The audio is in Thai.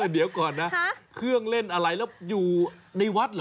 เดี๋ยวก่อนนะเครื่องเล่นอะไรแล้วอยู่ในวัดเหรอ